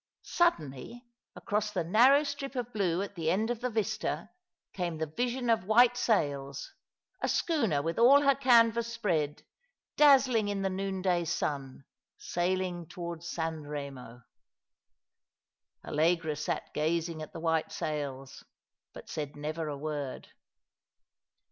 Suddenly across the narrow strip of blue at the end of the vista came the vision of white sails, a schooner with all her canvas spread, dazzling in the noonday sun, sailing towards San Eemo. Allegra sat gazing at the white sails, but said never a word.